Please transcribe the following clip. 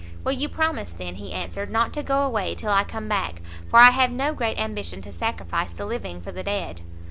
"Will you promise, then," he answered, "not to go away till I come back? for I have no great ambition to sacrifice the living for the dead."